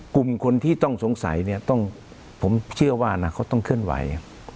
กลุ่มคนที่ต้องสงสัยเนี่ยต้องผมเชื่อว่าอนาคตต้องเคลื่อนไหว